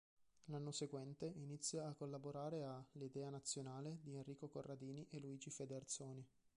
L'anno seguente inizia a collaborare a "L'Idea Nazionale" di Enrico Corradini e Luigi Federzoni.